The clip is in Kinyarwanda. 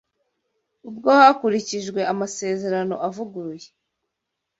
Ubwo hakurikijwe amasezerano avuguruye